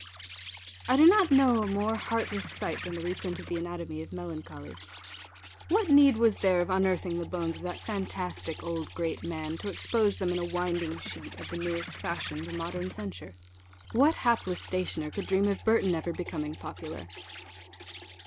I do not know a more heartless sight than the reprint of the Anatomy of Melancholy. What need was there of unearthing the bones of that fantastic old great man, to expose them in a winding sheet of the newest fashion to modern censure? what hapless stationer could dream of Burton ever becoming popular?